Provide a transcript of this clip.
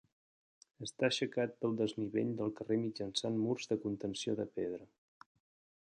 Està aixecat del desnivell del carrer mitjançant murs de contenció de pedra.